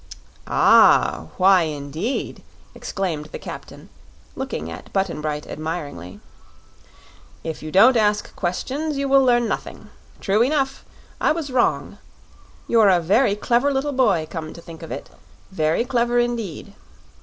"Ah, why indeed?" exclaimed the captain, looking at Button Bright admiringly. "If you don't ask questions you will learn nothing. True enough. I was wrong. You're a very clever little boy, come to think of it very clever indeed.